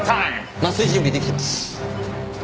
麻酔準備できてます。